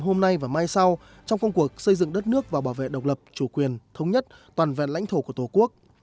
hôm nay và mai sau trong công cuộc xây dựng đất nước và bảo vệ độc lập chủ quyền thống nhất toàn vẹn lãnh thổ của tổ quốc